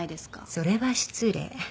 それは失礼。